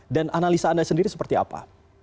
dan analisa anda sendiri seperti apa